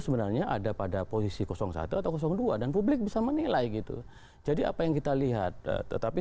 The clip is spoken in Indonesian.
sebenarnya ada pada posisi satu atau dua dan publik bisa menilai gitu jadi apa yang kita lihat tetapi